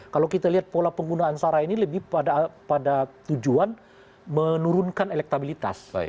kalau kita lihat pola penggunaan sarah ini lebih pada tujuan menurunkan elektabilitas